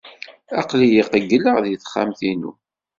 Aql-iyi qeyyleɣ deg texxamt-inu.